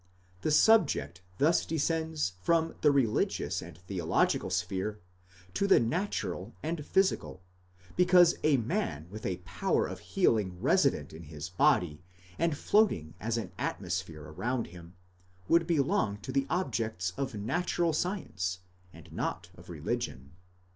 The sub ject thus descends from the religious and theological sphere to the natural and physical, because a man with a power of healing resident in his body, and floating as an atmosphere around him, would belong to the objects of natural science, and not of religion.